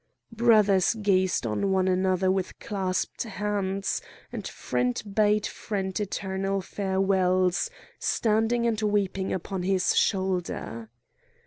Brothers gazed on one another with clasped hands, and friend bade friend eternal farewells, standing and weeping upon his shoulder.